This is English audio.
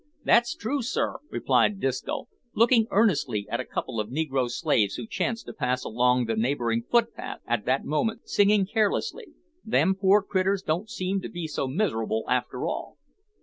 "That's true, sir," replied Disco, looking earnestly at a couple of negro slaves who chanced to pass along the neighbouring footpath at that moment, singing carelessly. "Them poor critters don't seem to be so miserable after all."